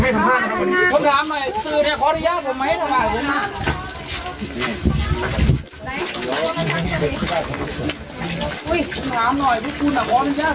ทำไมทำไมถึงต้องบอกให้ผมหยุดพูดอ่ะครับ